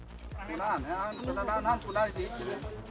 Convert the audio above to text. tidak ada tidak ada